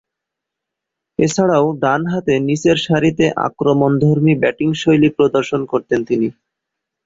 এছাড়াও, ডানহাতে নিচেরসারিতে আক্রমণধর্মী ব্যাটিংশৈলী প্রদর্শন করতেন তিনি।